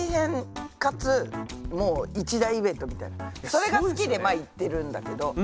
それが好きでまあ行ってるんだけど。